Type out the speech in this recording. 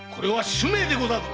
主命でござるぞ！